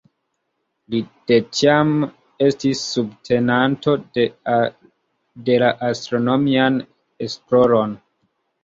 Li de tiam estis subtenanto de la astronomian esploron.